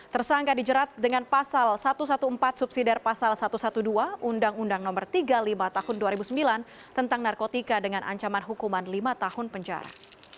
tersangka dijerat dengan pasal satu ratus empat belas subsider pasal satu ratus dua belas undang undang no tiga puluh lima tahun dua ribu sembilan tentang narkotika dengan ancaman hukuman lima tahun penjara